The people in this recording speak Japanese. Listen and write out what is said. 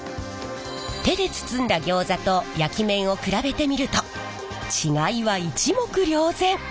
手で包んだギョーザと焼き面を比べてみると違いは一目瞭然。